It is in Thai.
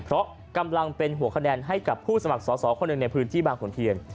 เพราะกำลังเป็นหัวคะแนนให้กับผู้สมัครสอสอคนหนึ่งในพื้นที่บางขุนเทียน